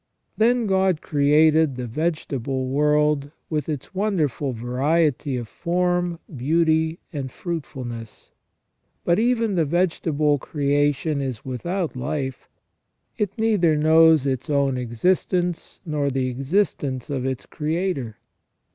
Then God created the vegetable world with its wonderful variety of form, beauty, and fruitfulness. But even the vegetable creation is without life, it neither knows its own existence nor the existence of its Creator.